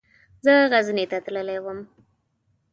زه غزني ته تللی وم.